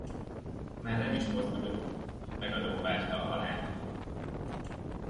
Már nem is mozdult, megadón várta a halált.